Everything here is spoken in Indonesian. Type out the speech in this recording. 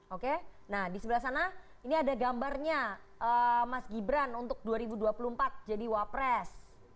oke nah di sebelah sana ini ada gambarnya mas gibran untuk dua ribu dua puluh empat jadi wapres